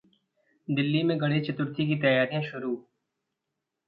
दिल्ली में गणेश चतुर्थी की तैयारियां शुरू...